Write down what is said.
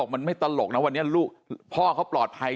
มันไม่ได้